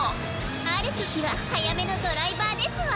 あるときははやめのドライバーですわ！